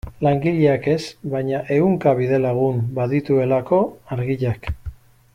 Langileak ez, baina ehunka bidelagun badituelako Argiak.